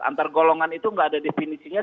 antar golongan itu nggak ada definisinya